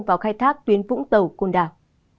vào khai thác tuyến vũng tàu côn đảo